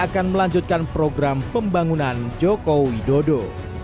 dan melanjutkan program pembangunan jokowi dodo